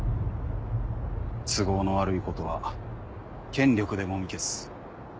都合の悪いことは権力でもみ消す。